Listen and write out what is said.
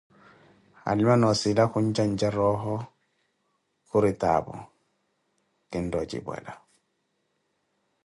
Halima noo ossila khuntjantja roho, khuri taapoh kinttha ontjipwela